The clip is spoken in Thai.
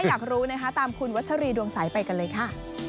อยากรู้นะคะตามคุณวัชรีดวงใสไปกันเลยค่ะ